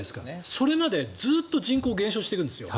それまでずっと人口が減少していくんですよ。